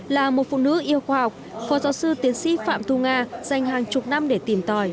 là một phụ nữ yêu khoa học phó giáo sư tiến sĩ phạm thu nga dành hàng chục năm để tìm tòi